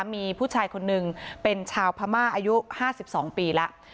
มีผู้ชายคนนึงเป็นชาวพม่าอายุ๕๒ปีแล้ว